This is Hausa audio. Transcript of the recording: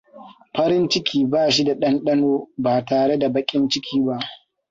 Farin ciki bashi da dandano ba tare da bakin ciki ba.